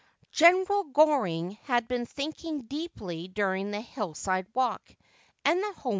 Gerald Goring had been thinking deeply during the hillside w.'ilk and the homew.